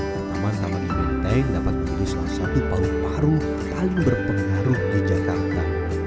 tanaman taman di menteng dapat menjadi salah satu paru paru paling berpengaruh di jakarta